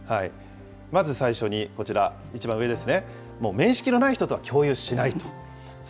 まず最初にこちら、一番上ですね。